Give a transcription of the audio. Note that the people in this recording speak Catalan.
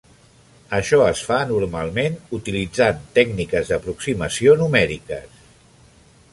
Això es fa normalment utilitzant tècniques d'aproximació numèriques.